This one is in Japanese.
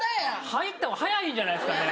入った方が早いんじゃないですかね。